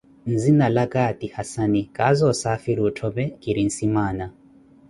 Nzinalaka ti Hassane, kaaza osaafiri otthome kiri nsimaana.